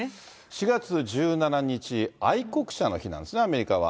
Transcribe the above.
４月１７日、愛国者の日なんですね、アメリカは。